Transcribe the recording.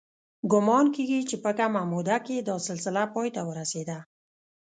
ګومان کېږي چې په کمه موده کې دا سلسله پای ته ورسېده